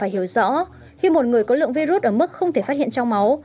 điều rõ khi một người có lượng virus ở mức không thể phát hiện trong máu